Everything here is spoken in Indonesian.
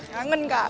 kangen kak kangen